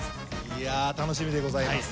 いや楽しみでございます。